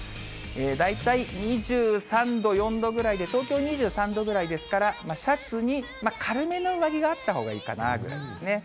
大体２３度、４度ぐらいで東京２３度ぐらいですから、シャツに軽めの上着があったほうがいいかなぐらいですね。